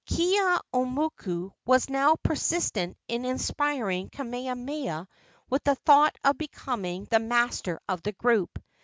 Keeaumoku was now persistent in inspiring Kamehameha with the thought of becoming the master of the group.